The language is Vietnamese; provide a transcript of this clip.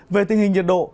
về tình hình nhiệt độ